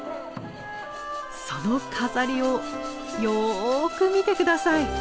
その飾りをよく見て下さい！